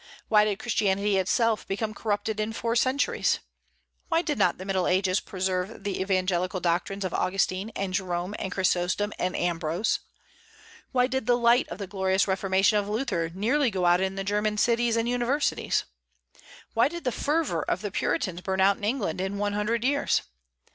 Why did Christianity itself become corrupted in four centuries? Why did not the Middle Ages preserve the evangelical doctrines of Augustine and Jerome and Chrysostom and Ambrose? Why did the light of the glorious Reformation of Luther nearly go out in the German cities and universities? Why did the fervor of the Puritans burn out in England in one hundred years?